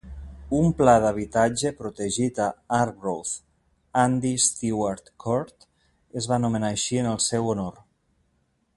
Un pla d'habitatge protegit a Arbroath, "Andy Stewart Court", es va anomenar així en el seu honor.